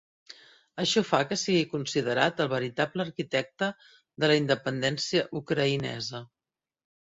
Això fa que sigui considerat el veritable arquitecte de la independència ucraïnesa.